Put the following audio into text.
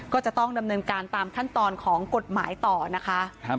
ก็จะต้องดำเนินการตามขั้นตอนของกฎหมายต่อนะคะ